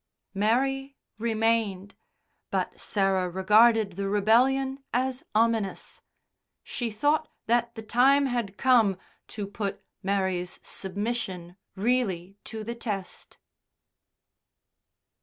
Mary remained, but Sarah regarded the rebellion as ominous. She thought that the time had come to put Mary's submission really to the test.